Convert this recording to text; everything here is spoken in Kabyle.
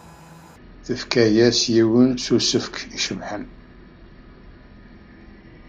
Tefka-as yiwen n usefk icebḥen.